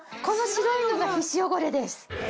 この白いのが皮脂汚れです。